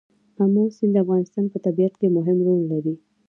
آمو سیند د افغانستان په طبیعت کې مهم رول لري.